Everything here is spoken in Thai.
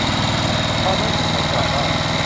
ตอนนั้นที่ฉันกลับบ้าน